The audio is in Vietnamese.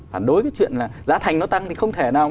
phản đối cái chuyện là giá thành nó tăng thì không thể nào